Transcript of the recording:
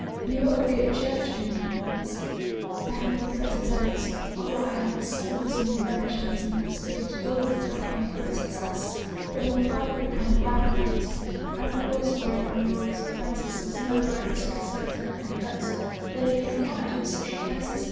" You are a good judge of men," he said. " I have known better days, although I am the son of a small merchant and have studied law with out any great success. But my father became bankrupt, and a poor scribe and lawyer's apprentice has no right to expect anything better than he can find in such a place as this."